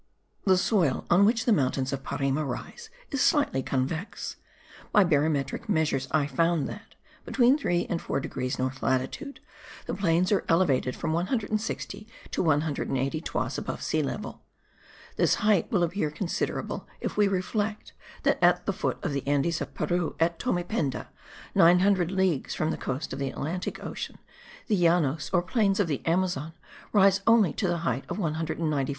The soil on which the mountains of Parime rise, is slightly convex. By barometric measures I found that, between 3 and 4 degrees north latitude, the plains are elevated from 160 to 180 toises above sea level. This height will appear considerable if we reflect that at the foot of the Andes of Peru, at Tomependa, 900 leagues from the coast of the Atlantic Ocean, the Llanos or plains of the Amazon rise only to the height of 194 toises.